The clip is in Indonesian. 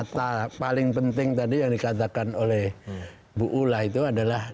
kata paling penting tadi yang dikatakan oleh bu ula itu adalah